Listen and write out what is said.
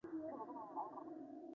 北宋名将高琼之妻。